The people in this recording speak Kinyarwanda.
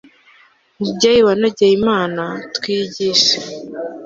mubyeyi wanogeye imana, twigishe